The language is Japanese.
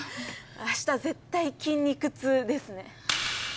明日絶対筋肉痛ですね。